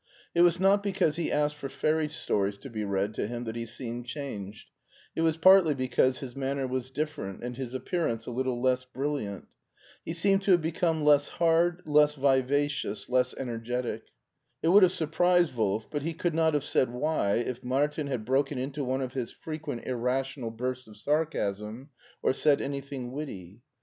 It was not because he asked for fairy stories to be read to him that he seemed changed ; it was partly because his manner was different and his appearance a little less brilliant. He seemed to have become less hard, less vivacious, less energetic. It would have surprised Wolf, but he could not have said why, if Martin had broken into one of his frequent irrational bursts of sarcasm, or said anything witty.